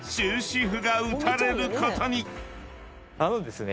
あのですね